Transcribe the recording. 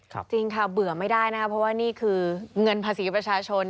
จริงค่ะเบื่อไม่ได้นะครับเพราะว่านี่คือเงินภาษีประชาชน